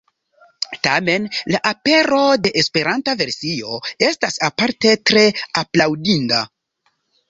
Tamen la apero de esperanta versio estas aparte tre aplaŭdinda.